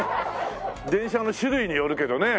電車の種類によるけどね。